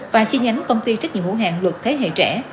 và chi nhánh công ty trách nhiệm hữu hạng luật thế hệ trẻ